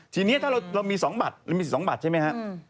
ทีนี้ถ้าเรามีสิทธิสองบัตรใช่ไหมครับ